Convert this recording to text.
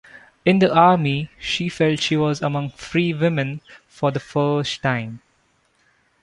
In the army, she felt she was among free women for the first time.